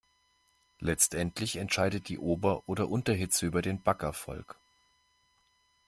Letztendlich entscheidet die Ober- oder Unterhitze über den Backerfolg.